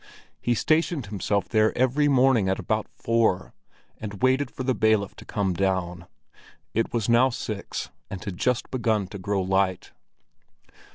He stationed himself there every morning at about four, and waited for the bailiff to come down. It was now six, and had just begun to grow light.